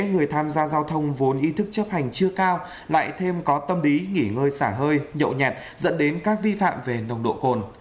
giao thông vốn ý thức chấp hành chưa cao lại thêm có tâm lý nghỉ ngơi xả hơi nhộn nhạt dẫn đến các vi phạm về nồng độ cồn